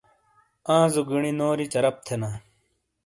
آںزو گیݨی نوری چرپ تھینا۔